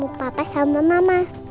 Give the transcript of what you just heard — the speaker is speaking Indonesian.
aku mau ketemu papa sama mama